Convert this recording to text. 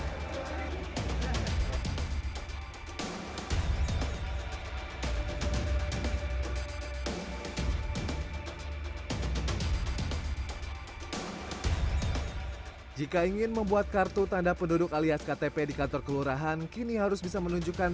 hai jika ingin membuat kartu tanda penduduk alias ktp di kantor keluarahan kini harus bisa menunjukkan